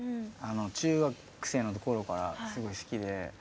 中学生の頃からすごい好きで。